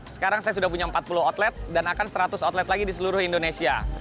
sekarang saya sudah punya empat puluh outlet dan akan seratus outlet lagi di seluruh indonesia